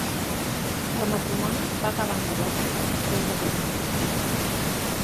El matrimoni va acabar en divorci després de vuit mesos.